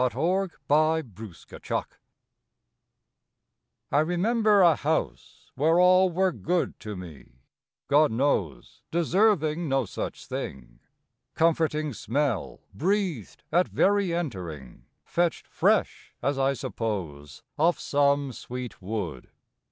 the Valley of the Elwy I REMEMBER a house where all were good To me, God knows, deserving no such thing : Comforting smell breathed at very entering, Fetched fresh, as I suppose, off some sweet wood.